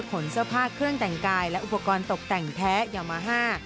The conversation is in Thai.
ขนเสื้อผ้าเครื่องแต่งกายและอุปกรณ์ตกแต่งแท้ยามาฮ่า